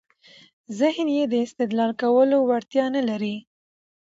ذهن يې د استدلال کولو وړتیا نلري.